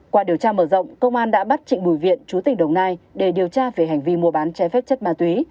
qua điều tra mở rộng công an đã bắt trịnh bùi viện chú tỉnh đồng nai để điều tra về hành vi mua bán trái phép chất ma túy